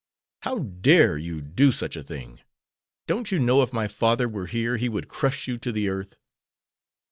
"How dare you do such a thing! Don't you know if my father were here he would crush you to the earth?"